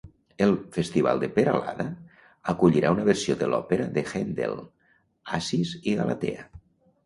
El festival de Peralada acollirà una versió de l'òpera de Händel “Acis i Galatea”.